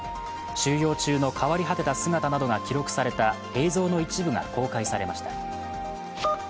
収容中の変わり果てた姿などが記録された映像の一部が公開されました。